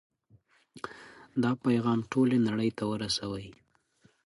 دا پیغام ټولې نړۍ ته ورسوئ.